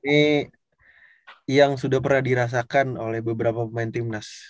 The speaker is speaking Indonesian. ini yang sudah pernah dirasakan oleh beberapa pemain timnas